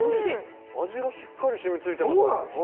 味がしっかりしみついてます